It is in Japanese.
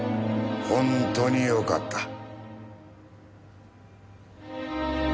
本当によかった。